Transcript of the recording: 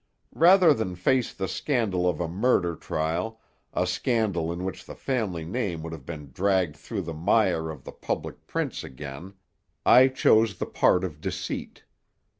Rather than face the scandal of a murder trial, a scandal in which the family name would have been dragged through the mire of the public prints again, I chose the part of deceit.